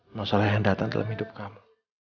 masalah yang datang dalam hidup kamu